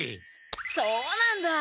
そうなんだ！